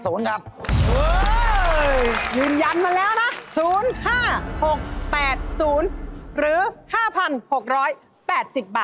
โอ้วเหมือนมายันมาแล้วนะ๐๕๖๘๐หรือ๕๖๘๐บาทค่ะ